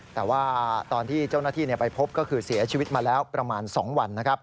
แต่ว่าตอนที่เจ้าหน้าที่ไปพบก็คือเสียชีวิตมาแล้วประมาณ๒วัน